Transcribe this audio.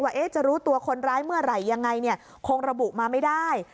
ว่าจะรู้ตัวคนร้ายเมื่อไหร่ยังไงคงระบุมาไม่ได้